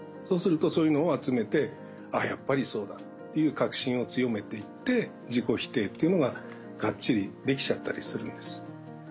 そうするとそういうのを集めて「あやっぱりそうだ」という確信を強めていって自己否定というのががっちりできちゃったりするんです。